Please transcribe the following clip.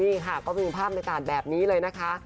นี่ค่ะก็มีภาพบรรยากาศแบบนี้เลยนะคะ